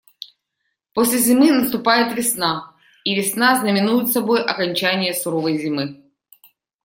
После зимы наступает весна, и весна знаменует собой окончание суровой зимы.